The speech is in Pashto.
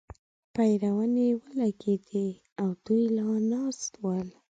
پېرونی ولګېدې او دوی لا ناست ول.